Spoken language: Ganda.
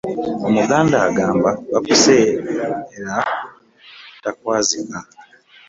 Omuganda agamba bakuseera takwazika.